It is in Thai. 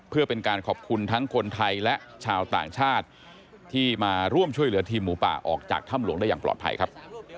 เพื่อเป็นการขอบคุณทั้งคนไทยและชาวต่างชาติที่มาร่วมช่วยเหลือทีมหมูป่าออกจากถ้ำหลวงได้อย่างปลอดภัยครับ